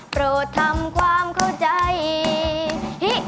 โปรดทำความเข้าใจ